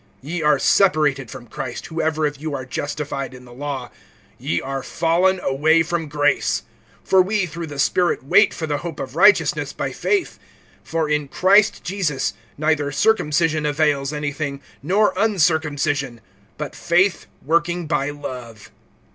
(4)Ye are separated from Christ, whoever of you are justified in the law; ye are fallen away from grace. (5)For we through the Spirit wait for the hope of righteousness by faith. (6)For in Christ Jesus neither circumcision avails any thing, nor uncircumcision, but faith working by love.